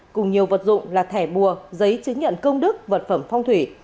cùng nhiều vật dụng là thẻ bùa giấy chứng nhận công đức vật phẩm phong thủy